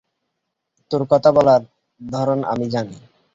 তোর কথা বলার ধরণ আমি জানি।